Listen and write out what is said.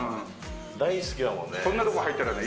大好きだもんね。